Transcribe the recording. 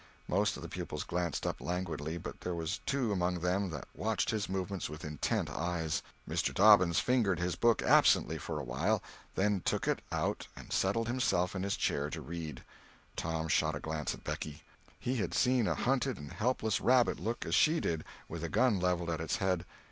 Most of the pupils glanced up languidly, but there were two among them that watched his movements with intent eyes. Mr. Dobbins fingered his book absently for a while, then took it out and settled himself in his chair to read! Tom shot a glance at Becky. He had seen a hunted and helpless rabbit look as she did, with a gun levelled at its head.